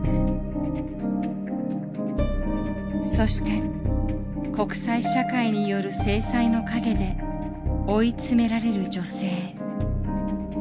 そして国際社会による制裁の陰で追い詰められる女性。